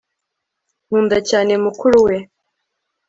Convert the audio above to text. nkunda cyane mukuru we